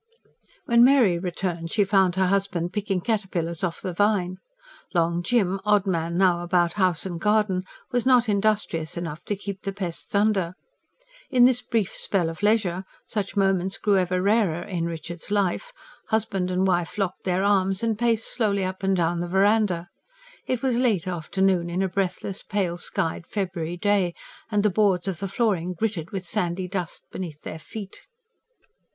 When Mary returned, she found her husband picking caterpillars off the vine: Long Jim, odd man now about house and garden, was not industrious enough to keep the pests under. In this brief spell of leisure such moments grew ever rarer in Richard's life husband and wife locked their arms and paced slowly up and down the verandah. It was late afternoon on a breathless, pale skied February day; and the boards of the flooring gritted with sandy dust beneath their feet.